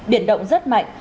biển động rất mạnh